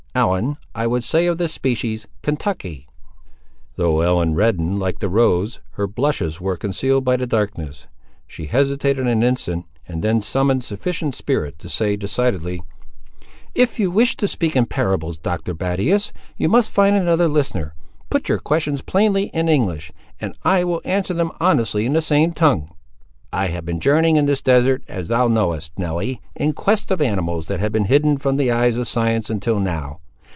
Ellen, I would say of the species, Kentucky." Though Ellen reddened like the rose, her blushes were concealed by the darkness. She hesitated an instant, and then summoned sufficient spirit to say, decidedly— "If you wish to speak in parables, Doctor Battius, you must find another listener. Put your questions plainly in English, and I will answer them honestly in the same tongue." "I have been journeying in this desert, as thou knowest, Nelly, in quest of animals that have been hidden from the eyes of science, until now.